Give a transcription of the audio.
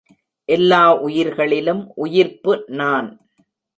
எல்லா உயிர்களிலும் உயிர்ப்பு நான்.